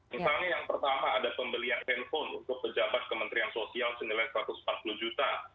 misalnya yang pertama ada pembelian handphone untuk pejabat kementerian sosial senilai satu ratus empat puluh juta